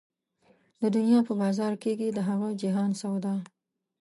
د دنيا په بازار کېږي د هغه جهان سودا